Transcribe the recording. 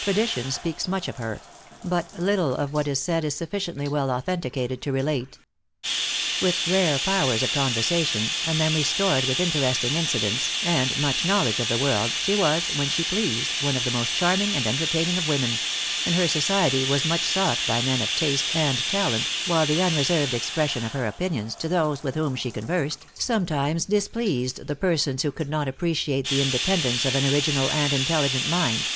Tradition speaks much of her; but little of what is said is sufficiently well authenticated to relate. With rare powers of conversation, a memory stored with interesting incidents, and much knowledge of the world, she was, when she pleased, one of the most charming and entertaining of women; and her society was much sought by men of taste and talent, while the unreserved expression of her opinions to those with whom she conversed, sometimes displeased persons who could not appreciate the independence of an original and intelligent mind.